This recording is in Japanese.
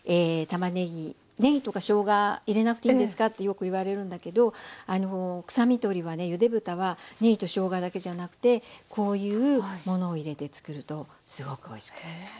でねぎとかしょうが入れなくていいんですかってよく言われるんだけど臭み取りはねゆで豚はねぎとしょうがだけじゃなくてこういうものを入れて作るとすごくおいしくなります。